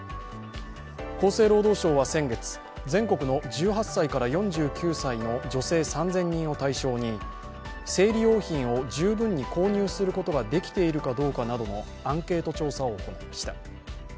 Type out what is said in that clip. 厚生労働省は先月、全国の１８歳から４９歳の女性３０００人を対象に生理用品を十分に購入することができているかどうかなどのアンケート調査を行いました。